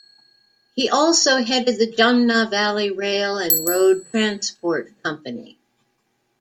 He also headed the Jumna Valley Rail and Road Transport Company.